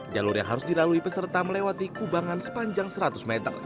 jalur yang harus dilalui peserta melewati kubangan sepanjang seratus meter